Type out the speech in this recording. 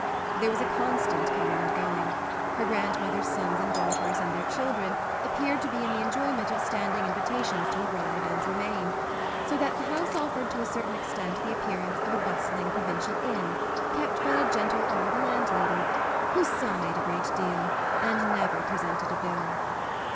There was a constant coming and going; her grandmother's sons and daughters and their children appeared to be in the enjoyment of standing invitations to arrive and remain, so that the house offered to a certain extent the appearance of a bustling provincial inn kept by a gentle old landlady who sighed a great deal and never presented a bill.